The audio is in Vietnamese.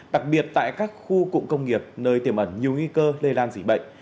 đặc biệt tại các khu cụm công nghiệp nơi tiềm ẩn nhiều nguy cơ lây lan dịch bệnh